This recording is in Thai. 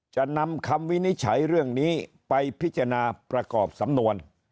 จะนำคำวินิจฉัยเรื่องนี้ไปพิจารณาประกอบสำนวน